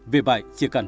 vì vậy chỉ cần